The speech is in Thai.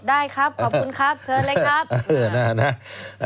ได้ครับขอบคุณครับเชิญเลยครับ